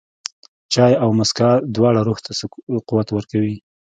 چای او موسکا، دواړه روح ته قوت ورکوي.